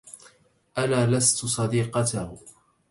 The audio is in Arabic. أنا لست صديقته.